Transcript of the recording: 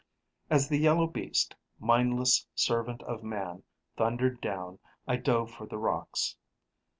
As the yellow beast, mindless servant of man, thundered down, I dove for the rocks.